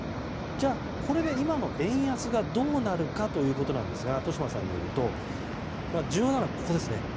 じゃあ、これで今の円安がどうなるかということなんですが豊島さんによると重要なのは、ここですね。